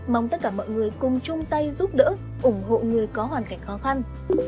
mong tất cả mọi người cùng chung tay giúp đỡ ủng hộ người có hoàn cảnh khó khăn